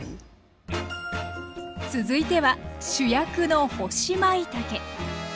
続いては主役の干しまいたけ。